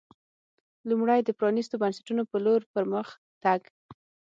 لومړی د پرانېستو بنسټونو په لور پر مخ تګ